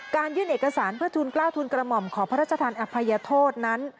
ยื่นเอกสารเพื่อทุนกล้าวทุนกระหม่อมขอพระราชทานอภัยโทษนั้น